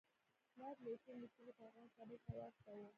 لارډ لیټن لیکلی پیغام کابل ته واستاوه.